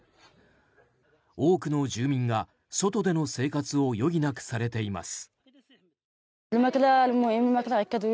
多くの住民が外での生活を余儀なくされています。